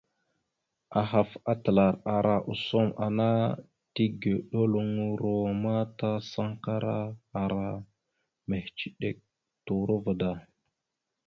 Ahaf atəlar ara osom ana tigeɗoloŋoro ma ta sankara ara mehəciɗek turova da.